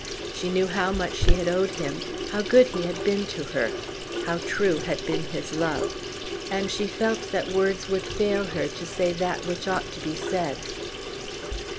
She knew how much she had owed him, how good he had been to her, how true had been his love; and she felt that words would fail her to say that which ought to be said.